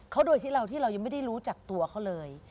เขาโดยที่เรายังไม่ได้รู้จักตัวเขาเลย